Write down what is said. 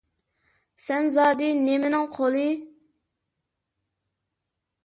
سەن زادى نېمىنىڭ قۇلى؟